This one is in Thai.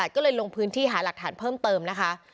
ก็เลยลงพื้นที่หาหลักฐานเพิ่มเติมนะคะ